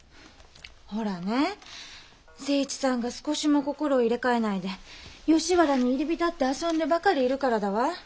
ほらね清一さんが少しも心を入れ替えないで吉原に入り浸って遊んでばかりいるからだわ。